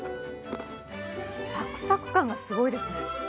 サクサク感がすごいですね。